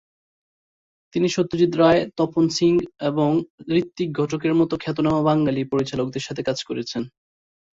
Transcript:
তিনি সত্যজিৎ রায়, তপন সিংহ এবং ঋত্বিক ঘটকের মতো খ্যাতনামা বাঙালি পরিচালকদের সাথে কাজ করেছেন।